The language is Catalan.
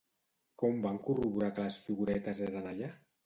Com van corroborar que les figuretes eren allà?